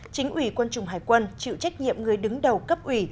chính ủy quân chủng hải quân chịu trách nhiệm người đứng đầu cấp ủy